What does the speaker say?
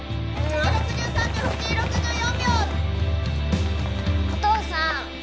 ６３秒藤井６４秒お父さん